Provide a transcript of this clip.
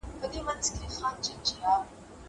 بازار ته ولاړ سه!!